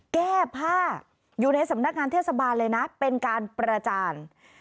แก้ผ้าอยู่ในสำนักงานเทศบาลเลยนะเป็นการประจาน